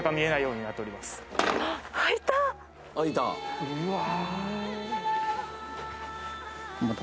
うわ！